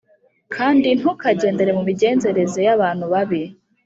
kandi ntukagendere mu migenzereze y’abantu babi